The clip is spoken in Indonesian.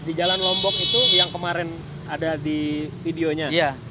di jalan lombok itu yang kemarin ada di videonya